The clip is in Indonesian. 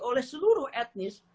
oleh seluruh etnis